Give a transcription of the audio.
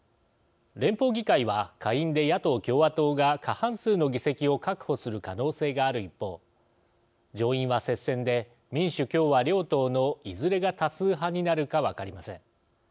連邦議会は下院で野党、共和党が過半数の議席を確保する可能性がある一方上院は接戦で民主・共和両党のいずれが多数派になるか分かりません。